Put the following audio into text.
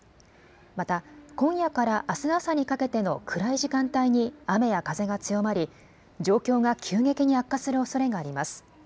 また、今夜からあす朝にかけての暗い時間帯に雨や風が強まり、状況が急激に悪化するおそれがあります。